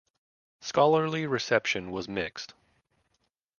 Scholarly reception was mixed.